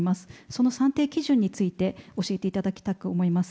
その算定基準について教えていただきたく思います。